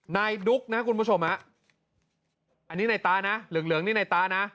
นายดุ๊กนะคุณผู้ชมอันนี้ในตาหลือเหลือนี้ในตา